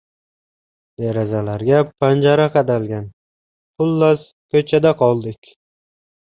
Derazalarga panjara qadalgan, xullas, ko‘chada qoldik...